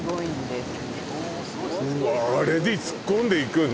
あれに突っ込んでいくんだ？